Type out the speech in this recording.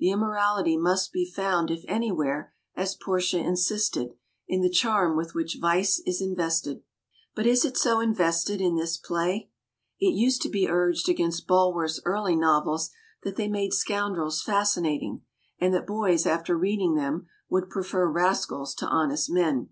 The immorality must be found, if anywhere, as Portia insisted, in the charm with which vice is invested. But is it so invested in this play? It used to be urged against Bulwer's early novels that they made scoundrels fascinating, and that boys after reading them would prefer rascals to honest men.